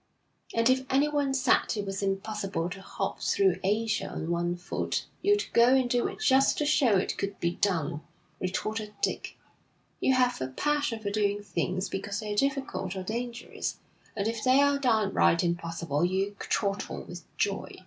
'And if anyone said it was impossible to hop through Asia on one foot, you'd go and do it just to show it could be done,' retorted Dick 'You have a passion for doing things because they're difficult or dangerous, and, if they're downright impossible, you chortle with joy.'